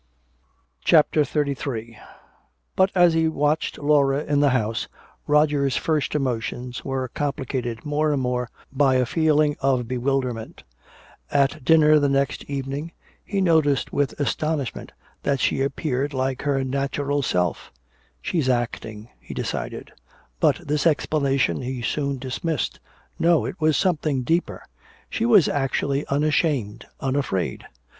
CHAPTER XXXIII But as he watched Laura in the house, Roger's first emotions were complicated more and more by a feeling of bewilderment. At dinner the next evening he noticed with astonishment that she appeared like her natural self. "She's acting," he decided. But this explanation he soon dismissed. No, it was something deeper. She was actually unashamed, unafraid.